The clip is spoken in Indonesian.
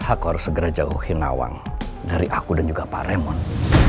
aku harus segera jauhi nawang dari aku dan juga pak remon